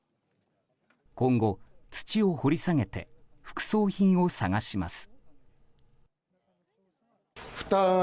今後、土を掘り下げて副葬品を探します。